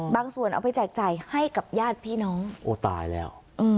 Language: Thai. ส่วนเอาไปแจกจ่ายให้กับญาติพี่น้องโอ้ตายแล้ว